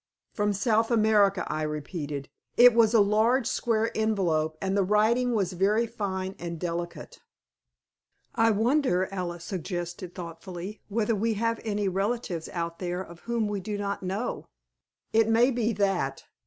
"From South America," I repeated. "It was a large square envelope, and the writing was very fine and delicate." "I wonder," Alice suggested, thoughtfully, "whether we have any relatives out there of whom we do not know. It may be that.